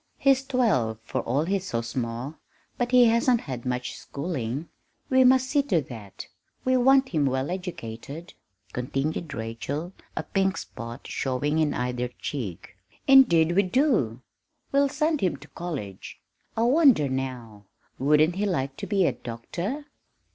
"He's twelve, for all he's so small, but he hasn't had much schooling. We must see to that we want him well educated," continued Rachel, a pink spot showing in either cheek. "Indeed we do we'll send him to college! I wonder, now, wouldn't he like to be a doctor?"